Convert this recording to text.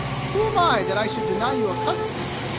Who am I that I should deny you a custom?